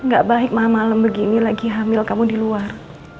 gak baik mamalem begini lagi hamil kamu di luar